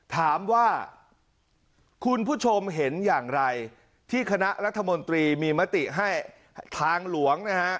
ถามว่าคุณผู้ชมเห็นอย่างไรที่คณะรัฐมนตรีมีมติให้ทางหลวงนะฮะ